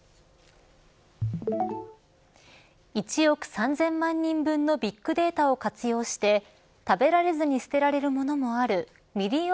１億３０００万人分のビッグデータを活用して食べられずに捨てられるものもある未利用